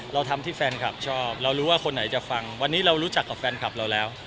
เราทำที่แฟนคลับชอบเรารู้ว่าคนไหนจะฟังวันนี้เรารู้จักกับแฟนคลับเราแล้ว